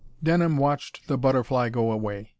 Denham watched the butterfly go away.